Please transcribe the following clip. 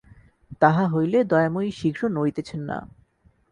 তাহা হইলে দয়াময়ী শীঘ্র নড়িতেছেন না।